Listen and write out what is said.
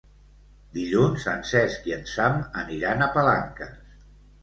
Dilluns en Cesc i en Sam aniran a Palanques.